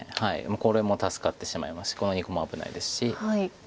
これも助かってしまいますしこの２個も危ないですし。